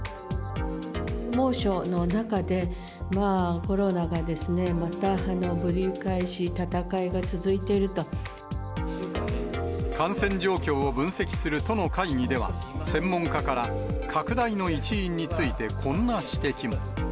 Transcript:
猛暑の中で、コロナがですね、またぶり返し、感染状況を分析する都の会議では、専門家から、拡大の一因について、こんな指摘も。